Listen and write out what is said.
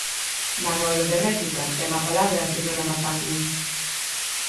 Na rolda de réplica ten a palabra a señora Mazá Cuns.